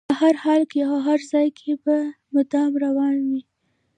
په هر حال او هر ځای کې به مدام روان وي.